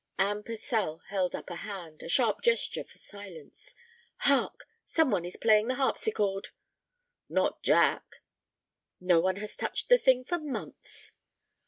Anne Purcell held up a hand, a sharp gesture for silence. "Hark! some one is playing the harpsichord!" "Not Jack." "No one has touched the thing for months."